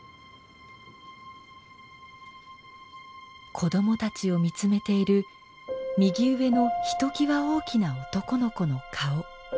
子どもたちを見つめている右上のひときわ大きな男の子の顔。